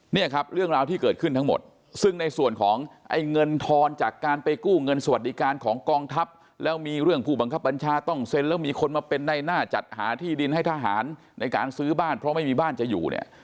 เนี่ยครับเรื่องราวที่เกิดขึ้นทั้งหมดซึ่งในส่วนของไอ้เงินทอนจากการไปกู้เงินสวัสดิการของกองทัพแล้วมีเรื่องผู้บังคับบัญชาต้องเซ็นแล้วมีคนมาเป็นในหน้าจัดหาที่ดินให้ทหารในการซื้อบ้านเพราะไม่มีบ้านจะอยู่เนี่ย